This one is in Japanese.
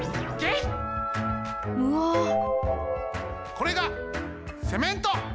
これがセメント！